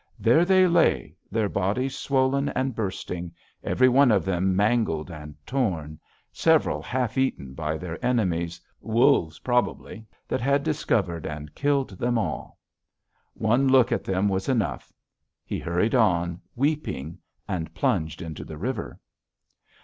There they lay, their bodies swollen and bursting, every one of them mangled and torn, several half eaten by their enemies, wolves probably, that had discovered and killed them all! One look at them was enough; he hurried on, weeping, and plunged into the river.